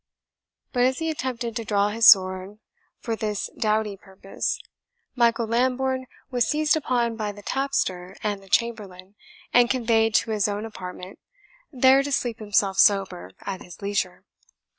But as he attempted to draw his sword for this doughty purpose, Michael Lambourne was seized upon by the tapster and the chamberlain, and conveyed to his own apartment, there to sleep himself sober at his leisure.